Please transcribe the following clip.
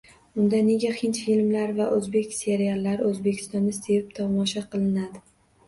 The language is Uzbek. Unda nega hind filmlari va seriallari O`zbekistonda sevib tomosha qilinadi